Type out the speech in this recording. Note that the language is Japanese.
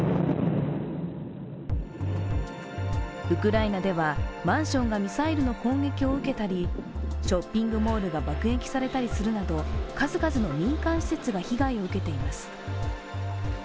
ウクライナではマンションがミサイルの攻撃を受けたり、ショッピングモールが爆撃されたりするなど数々の民間施設が被害を受けています。